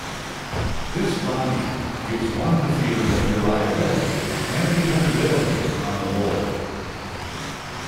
This Bani gives one the feeling of reliability and dependability on the Lord.